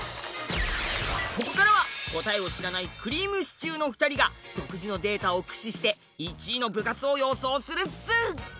ここからは答えを知らないくりぃむしちゅーの２人が独自のデータを駆使して１位の部活を予想するっす。